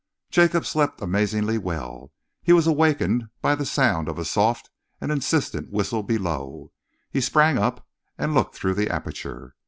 Jacob slept amazingly well. He was awakened by the sound of a soft and insistent whistle below. He sprang up and looked through the aperture.